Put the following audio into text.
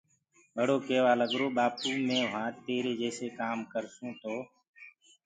ٻڙو ڪيوآ لگرو ڪي ٻآپو مي بيٚ وهآنٚ تيري جيسي ڪآم ڪرسونٚ تو